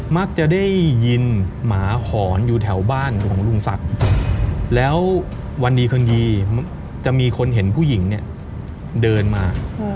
มักจะได้ยินหมาหอนอยู่แถวบ้านของลุงศักดิ์แล้ววันดีคืนดีจะมีคนเห็นผู้หญิงเนี่ยเดินมา